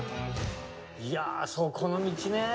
いやあそうこの道ね。